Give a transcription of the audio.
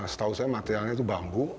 setahu saya materialnya itu bambu